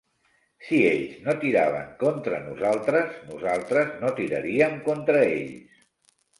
Si ells no tiraven contra nosaltres, nosaltres no tiraríem contra ells